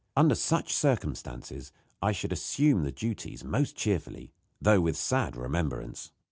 Under such circumstances I should assume the duties most cheerfully, though with sad remembrance.